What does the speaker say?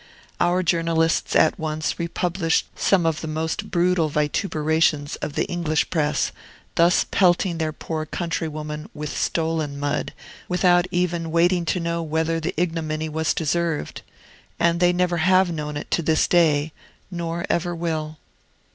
Our journalists at once republished some of the most brutal vituperations of the English press, thus pelting their poor countrywoman with stolen mud, without even waiting to know whether the ignominy was deserved. And they never have known it, to this day, nor ever will.